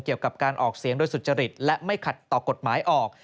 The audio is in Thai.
เกี่ยวกับการออกเสียงโดยสุจริตและไม่ขัดต่อกฎหมายออก